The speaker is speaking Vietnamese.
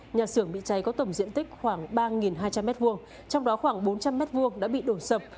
nhà xưởng bị cháy có tổng diện tích khoảng ba hai trăm linh m hai trong đó khoảng bốn trăm linh m hai đã bị đổ sập